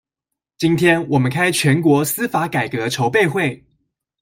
今天我們開全國司法改革籌備會